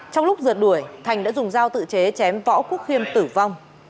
trong lúc rượt đuổi thành đã dùng dao tự chế chém võ quốc khiêm tử vong